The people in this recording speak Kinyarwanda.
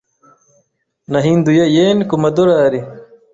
Nahinduye yen kumadorari .